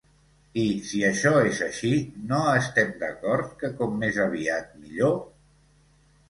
I si això és així, no estem d'acord que com més aviat millor?